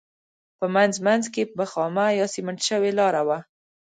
په منځ منځ کې به خامه یا سمنټ شوې لاره وه.